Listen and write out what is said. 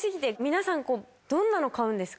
皆さんどんなの買うんですか？